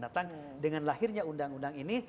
datang dengan lahirnya undang undang ini